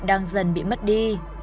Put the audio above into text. đang dần bị mất đi